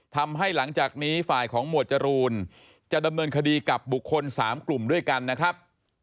หลังจากนี้ฝ่ายของหมวดจรูนจะดำเนินคดีกับบุคคล๓กลุ่มด้วยกันนะครับ